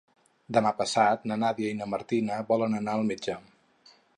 Demà passat na Nàdia i na Martina volen anar al metge.